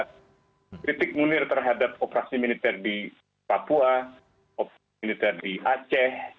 kritik munir terhadap operasi militer di papua operasi militer di aceh